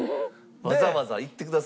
わざわざ行ってくださって。